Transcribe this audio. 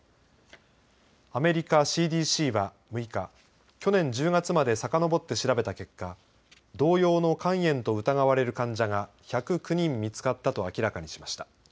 アメリカＣＤＣは６日去年１０月までさかのぼって調べた結果同様の肝炎と疑われる患者が１０９人見つかったと明らかにしました。